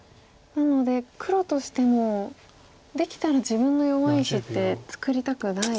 なので黒としてもできたら自分の弱い石って作りたくない。